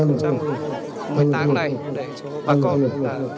để cho bà con